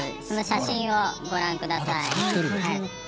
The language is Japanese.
その写真をご覧下さい。